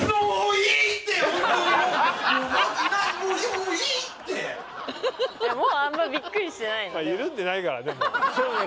もうもうあんまビックリしてないそうね